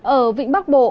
ở vịnh bắc bộ